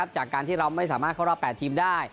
จากการที่เราไม่สามารถเข้ารอบ๘ทีมได้